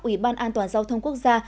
ủy ban an toàn giao thông quốc gia